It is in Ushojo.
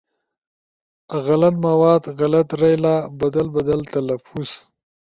غلط مواد، غلط رئیلا، بدل بدل تلفظ